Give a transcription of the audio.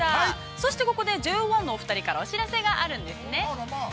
そしてここのお二人から、お知らせがあるんですね。